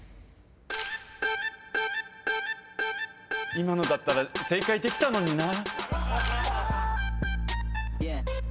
今のだったら正解できたのにな。